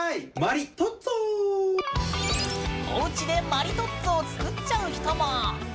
おうちでマリトッツォを作っちゃう人も！